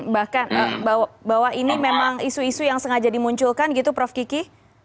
bahkan bahwa ini memang isu isu yang sengaja dimunculkan gitu prof kiki